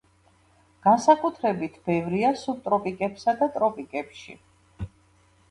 განსაკუთრებით ბევრია სუბტროპიკებსა და ტროპიკებში.